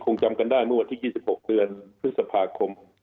จำกันได้เมื่อวันที่๒๖เดือนพฤษภาคม